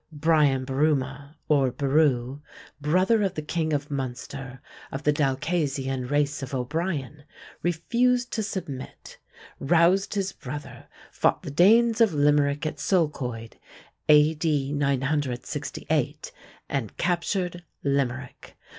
Brian Borumha, or Boru, brother of the king of Munster, of the Dalcassian race of O'Brien, refused to submit, roused his brother, fought the Danes of Limerick at Sulchoid (A.D. 968), and captured Limerick.